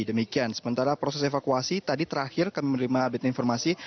demikian sementara proses evakuasi tadi terakhir kami menerima update informasi